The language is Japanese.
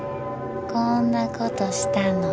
こんなことしたの。